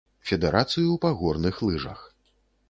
Федэрацыю па горных лыжах.